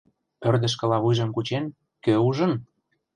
Ӧрдыжкыла вуйжым кучен, «Кӧ ужын?..